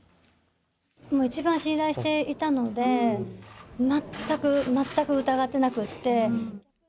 一番信頼していたので、全く、全く疑っていなくて。